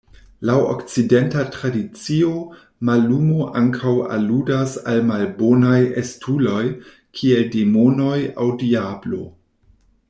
Laŭ Okcidenta tradicio, mallumo ankaŭ aludas al malbonaj estuloj, kiel demonoj aŭ Diablo.